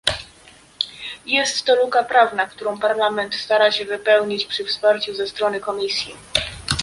Jest to luka prawna, którą Parlament stara się wypełnić przy wsparciu ze strony Komisji